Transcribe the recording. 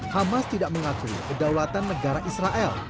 hamas tidak mengakui kedaulatan negara israel